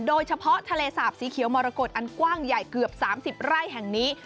โดยเฉพาะทะเลสาบสีเขียวมรกฏอันกว้างใหญ่เกือบ๓๐ไร่แห่งนี้